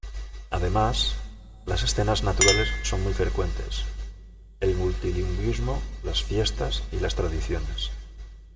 Además, las escenas naturales son muy frecuentes, el multilingüismo, las fiestas y las tradiciones.